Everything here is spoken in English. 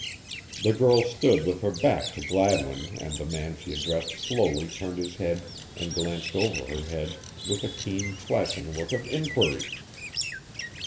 The girl stood with her back to Gladwin and the man she addressed slowly turned his head and glanced over her head with a keen, flashing look of inquiry.